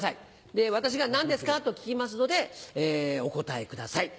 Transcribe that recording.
で私が「何ですか？」と聞きますのでお答えください。